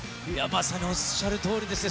まさにおっしゃるとおりですね。